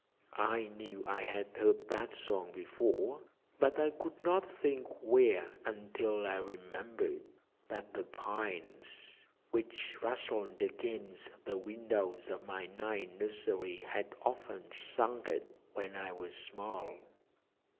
I knew I had heard that song before, but I could not think where until I remembered that the pines which rustled against the windows of my night nursery had often sung it when I was small.